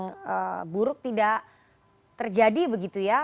yang buruk tidak terjadi begitu ya